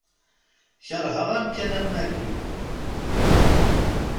Keṛheɣ amkan am wagi.